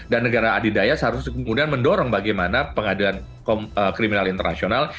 dan negara adidaya seharusnya kemudian mendorong bagaimana pengadilan kriminal internasional